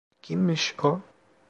Kimmiş o?